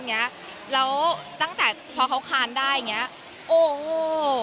แล้วตั้งแต่พอเขาค้านได้โอ้โหสุดยอดเลยครับ